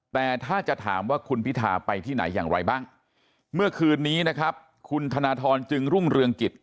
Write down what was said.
แต่ถ้าจะถามว่าคุณพิธาไปที่ไหนอย่างไรบ้างเมื่อคืนนี้นะครับคุณธนทรจึงรุ่งเรืองกิจ